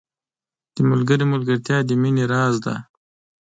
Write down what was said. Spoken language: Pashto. • د ملګري ملګرتیا د مینې راز دی.